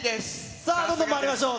さあ、どんどんまいりましょう。